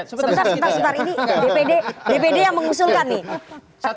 sebentar sebentar ini dpd yang mengusulkan nih